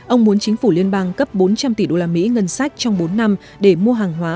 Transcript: ông muốn chính phủ liên bang cấp bốn trăm linh tỷ đô la mỹ ngân sách trong bốn năm để mua hàng hóa